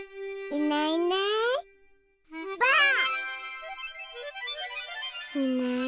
いないいないばあっ！